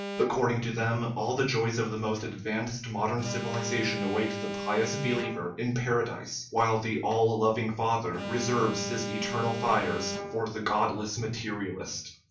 According to them, all the joys of the most advanced modern civ ilization await the pious believer in Paradise, while the "All loving Father " reserves his eternal fires for the godless materialist.